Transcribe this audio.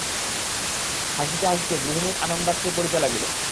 হাসিতে হাসিতে গৃহিণীর আনন্দাশ্রু পড়িতে লাগিল।